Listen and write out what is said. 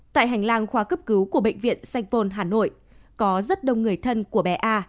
tại hành lang khoa cấp cứu của bệnh viện sanh pôn hà nội có rất đông người thân của bé a